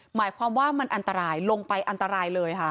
หมายความว่ามันอันตรายลงไปอันตรายเลยค่ะ